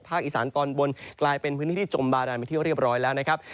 อีสานตอนบนกลายเป็นพื้นที่ที่จมบาดานไปที่เรียบร้อยแล้วนะครับ